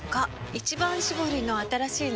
「一番搾り」の新しいの？